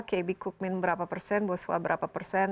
kb kukmin berapa persen boswa berapa persen